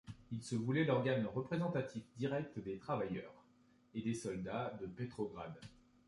Il se voulait l'organe représentatif direct des travailleurs, et des soldats, de Petrograd.